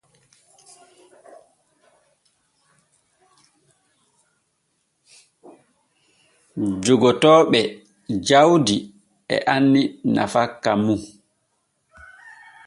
Jogotooɓe jawdi e anni nafakka mum.